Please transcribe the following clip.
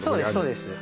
そうです